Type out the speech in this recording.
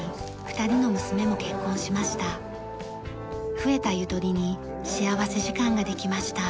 増えたゆとりに幸福時間ができました。